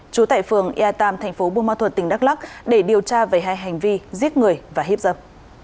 trú tại phường ea tam thành phố buôn ma thuật tỉnh đắk lắc để điều tra về hai hành vi giết người và hiếp dâm